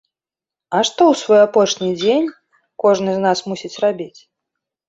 А што ў свой апошні дзень кожны з нас мусіць рабіць?